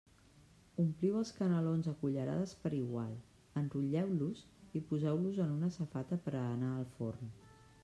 Ompliu els canelons a cullerades per igual, enrotlleu-los i poseu-los en una safata per a anar al forn.